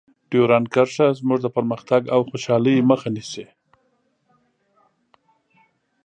ډیورنډ کرښه زموږ د پرمختګ او خوشحالۍ مخه نیسي.